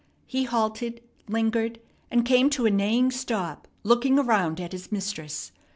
He halted, lingered, and came to a neighing stop, looking around at his mistress.